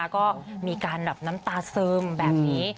ก็มีการแบบน้ำตาซึมแบบนี้